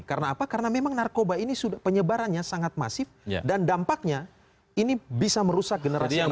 karena apa karena memang narkoba ini sudah penyebarannya sangat masif dan dampaknya ini bisa merusak generasi anak bangsa